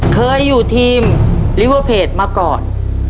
เคยอยู่ทีมลิเวอร์เพจมาก่อน